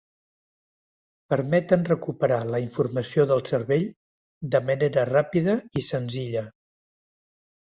Permeten recuperar la informació del cervell de manera ràpida i senzilla.